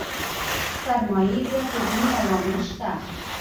سرمايې زياتېدنې عوامل شته.